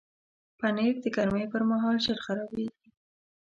پنېر د ګرمۍ پر مهال ژر خرابیږي.